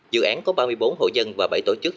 dự án có ba mươi bốn hộ dân và bảy tổ chức